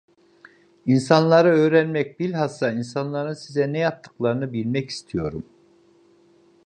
İnsanları öğrenmek, bilhassa insanların size ne yaptıklarını bilmek istiyorum…